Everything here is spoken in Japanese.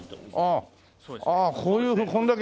ああああこういうこれだけ。